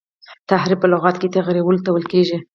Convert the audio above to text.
تحریف په لغت کي تغیرولو ته ویل کیږي.